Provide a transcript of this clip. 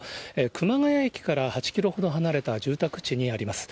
熊谷駅から８キロほど離れた住宅地にあります。